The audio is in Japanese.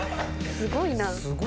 すごいな。